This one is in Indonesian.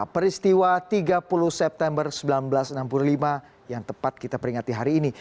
peristiwa tiga puluh september seribu sembilan ratus enam puluh lima yang tepat kita peringati hari ini